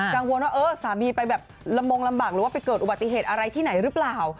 กังวลว่าเออสามีไปแบบละมงลำบากหรือว่าไปเกิดอุบัติเหตุอะไรที่ไหนหรือเปล่า